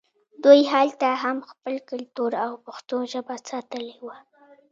دوی هلته هم خپل کلتور او پښتو ژبه ساتلې وه